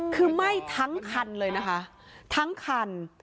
คือไหม้ทั้งคันเลยนะคะทั้งคัน